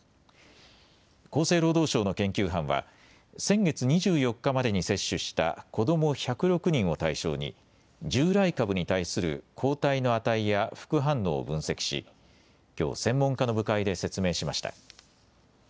厚生労働省の研究班は先月２４日までに接種した子ども１０６人を対象に従来株に対する抗体の値や副反応を分析しきょう専門家の部会で説明しました。